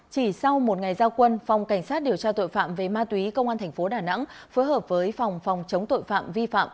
chỉ sau một ngày giao quân phòng cảnh sát điều tra tội phạm về ma túy công an tp đà nẵng phối hợp với phòng phòng chống tội phạm vi phạm